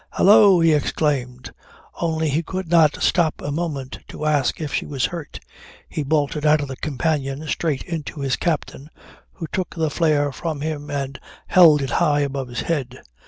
"Hallo," he exclaimed; only he could not stop a moment to ask if she was hurt. He bolted out of the companion straight into his captain who took the flare from him and held it high above his head.